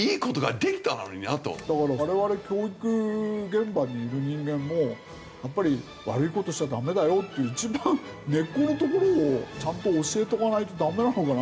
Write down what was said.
だから我々教育現場にいる人間もやっぱり悪い事しちゃダメだよっていう一番根っこのところをちゃんと教えとかないとダメなのかなって気がして。